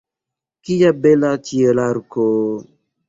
Kia bela ĉielarko!